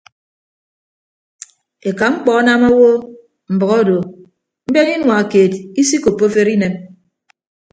Eka mkpọ anam owo mbʌk odo mbeñe inua keed isikoppo afere inem.